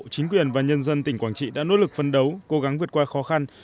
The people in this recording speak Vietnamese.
chính quyền và nhân dân tỉnh quảng trị đã nỗ lực phân đấu cố gắng vượt qua khó khăn